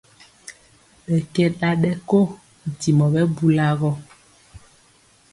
Ɓɛ kɛ ɗaɗɛ ko ntimo ɓɛ bula gɔ.